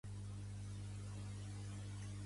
De què gaudia ara Ravel?